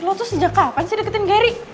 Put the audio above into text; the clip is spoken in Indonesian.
lo tuh sejak kapan sih deketin gary